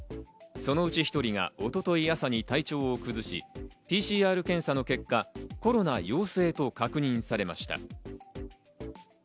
そのうち１人が一昨日朝に体調を崩し、ＰＣＲ検査の結果、コロナ陽性と確認されました。